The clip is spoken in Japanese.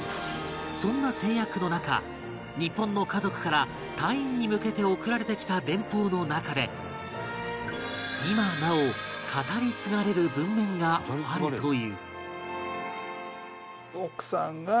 そんな制約の中日本の家族から隊員に向けて送られてきた電報の中で今なお語り継がれる文面があるという